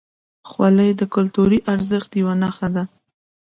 خولۍ د کلتوري ارزښت یوه نښه ده.